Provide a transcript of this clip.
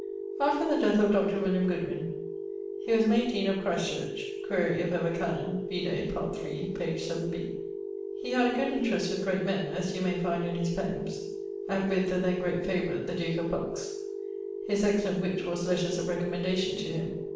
After the death of Dr. , he was made deane of Christ church (quaere if ever canon); vide part iii, pag. 7b. He had a good interest with great men, as you may find in his poems, and with the then great favourite, the duke of Bucks; his excellent witt was lettres of recommendation to him.